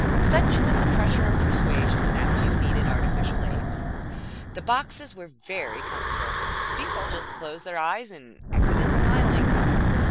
Such was the pressure of persuasion that few needed artificial aids. The boxes were very comfortable. People just closed their eyes and exited smiling.